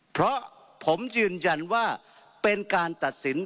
เพราะผมยืนยันว่าเป็นการตัดสิน